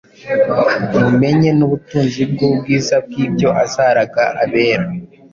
mumenye n’ubutunzi bw’ubwiza bw’ibyo azaraga abera.